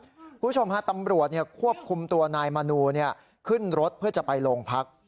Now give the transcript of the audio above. คุณผู้ชมฮะตำรวจควบคุมตัวนายมนูขึ้นรถเพื่อจะไปโรงพัก